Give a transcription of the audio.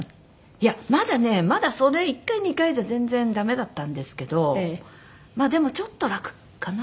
いやまだねまだそれ１回２回じゃ全然ダメだったんですけどまあでもちょっと楽かな？